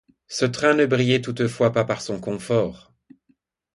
Ce train ne brillait toutefois pas par son confort.